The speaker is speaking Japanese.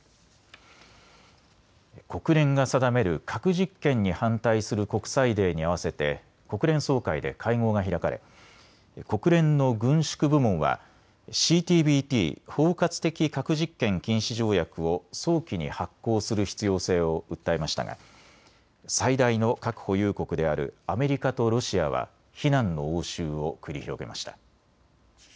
国連が定める核実験に反対する国際デーに合わせて国連総会で会合が開かれ国連の軍縮部門はＣＴＢＴ・包括的核実験禁止条約を早期に発効する必要性を訴えましたが最大の核保有国であるアメリカとロシアは非難の応酬を繰り広げました。